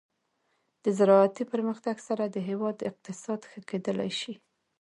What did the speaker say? د زراعتي پرمختګ سره د هیواد اقتصاد ښه کیدلی شي.